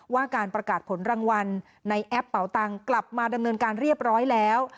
ว่าการประกาศผลรางวัลในแอปเป่าตังค์กลับมาดำเนินการเรียบร้อยแล้ว